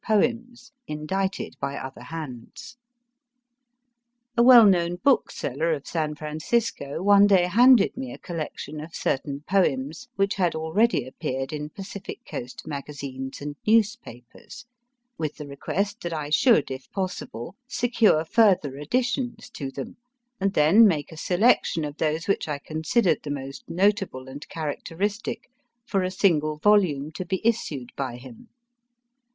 poems indited by other hands. A well known bookseller of San Francisco one day handed me a collection of certain poems which had already appeared in Pacific Coast magazines and newspapers, w r ith the request that I should, if possible, secure further additions to them, and then make a selection of those which I con sidered the most notable and characteristic for a single volume to be issued by him.